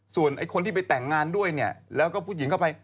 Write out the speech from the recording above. ส่วนไอ้คนที่ไปแต่งงานด้วยเนี่ยแล้วก็ผู้หญิงเข้าไป